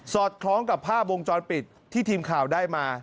อดคล้องกับภาพวงจรปิดที่ทีมข่าวได้มา